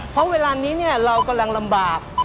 เพราะเวลานี้เรากำลังลำบาก